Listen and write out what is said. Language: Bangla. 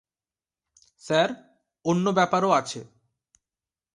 স্যার, অন্য ব্যাপারও আছে।